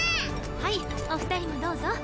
はいお二人もどうぞ。